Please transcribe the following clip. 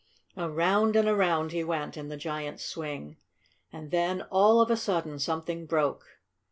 Around and around he went in the giant's swing. And then, all of a sudden, something broke.